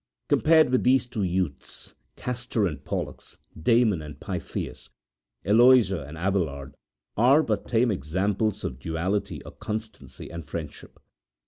Compared with these two youths, Castor and Pollux, Damon and Pythias, Eloisa and Abelard are but tame examples of duality or constancy and friendship.